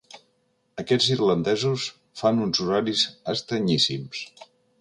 Aquests irlandesos fan uns horaris estranyíssims.